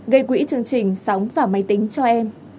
gây quỹ chương trình sóng và máy tính cho em